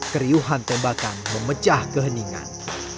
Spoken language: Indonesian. keriuhan tembakan memecah keheningan